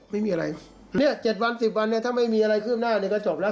ไม่มีอะไรเนี่ยเจ็ดวันสิบวันเนี่ยถ้าไม่มีอะไรขึ้นหน้าในกระจกแล้ว